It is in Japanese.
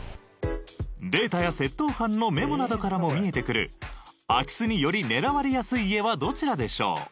データや窃盗犯のメモなどからも見えてくる空き巣により狙われやすい家はどちらでしょう？